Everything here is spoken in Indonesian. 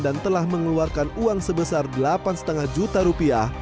dan telah mengeluarkan uang sebesar delapan lima juta rupiah